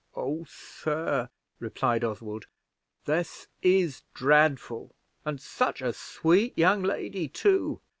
"Oh, sir," replied Oswald, "this is dreadful! and such a sweet young lady too."